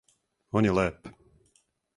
Он је леп!